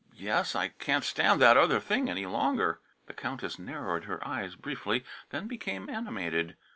"Yes; I can't stand that other thing any longer." The Countess narrowed her eyes briefly, then became animated.